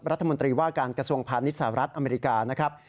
รัฐมนตรีว่าการกระทรวงพาณิชย์สหรัฐอเมริกานะครับ